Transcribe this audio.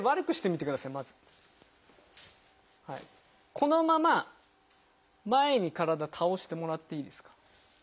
このまま前に体倒してもらっていいですか？